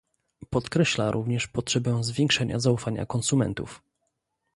Podkreśla również potrzebę zwiększenia zaufania konsumentów